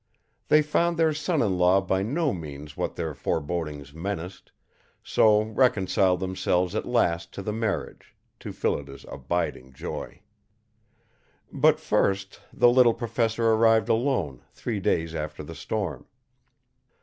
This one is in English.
They found their son in law by no means what their forebodings menaced, so reconciled themselves at last to the marriage; to Phillida's abiding joy. But first the little Professor arrived alone, three days after the storm.